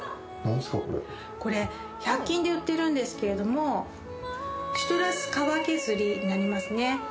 これ１００均で売ってるんですけれどもシトラス皮削りになりますね